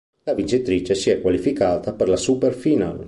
La vincitrice si è qualificata per la Super Final.